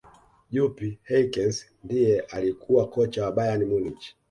jupp hyckens ndiye alikuwa kocha wa bayern munich